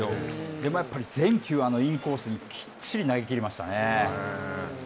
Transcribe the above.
でも、やっぱり全球インコースにきっちり投げきりましたね。